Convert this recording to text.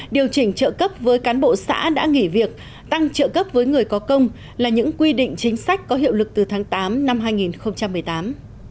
điều chỉnh trợ cấp với cán bộ xã đã nghỉ việc tăng trợ cấp với người có công là những quy định chính sách có hiệu lực từ tháng tám năm hai nghìn một mươi tám